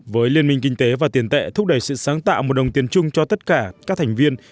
với liên minh kinh tế và tiền tệ thúc đẩy sự sáng tạo một đồng tiền chung cho tất cả các thành viên